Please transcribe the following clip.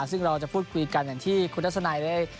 ซึ่งเราจะพวยกันกันที่กรุณสนัยเลย